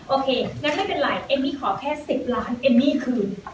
โอเคงั้นไม่เป็นไรเอมมี่ขอแค่๑๐ล้านเอมมี่คืน